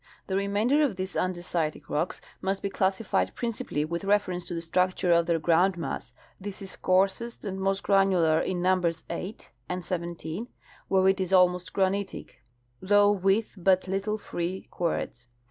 The remainder of these andesitic rocks must be classified principally with reference to the structure of their groundmass. This is coarsest and most granular in numbers 8 and 17, where it is almost granitic, though with Init little free quartz.